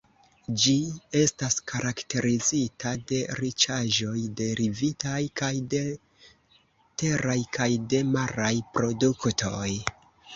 Ĝi estas karakterizita de riĉaĵoj derivitaj kaj de teraj kaj de maraj produktoj.